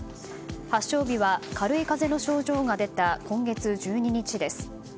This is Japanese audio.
発症日は軽い風邪の症状が出た今月１２日です。